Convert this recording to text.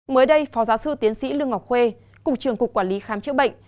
mới đây phó giáo sư tiến sĩ lương ngọc khuê cục trưởng cục quản lý khám chữa bệnh